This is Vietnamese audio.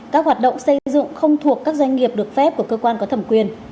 các hoạt động xây dựng không thuộc các doanh nghiệp được phép của cơ quan có thẩm quyền